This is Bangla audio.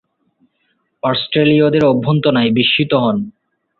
অস্ট্রেলীয়দের অভ্যর্থনায় বিস্মিত হন।